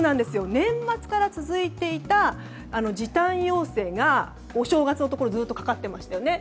年末から続いていた時短要請がお正月のところずっとかかっていましたよね。